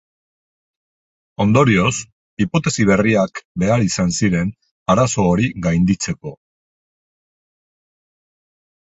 Ondorioz, hipotesi berriak behar izan ziren arazo hori gainditzeko.